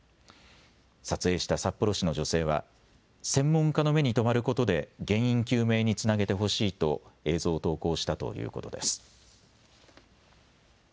撮影した札幌市の女性は専門家の目にとまることで原因究明につなげてほしいと映像を投稿したということです。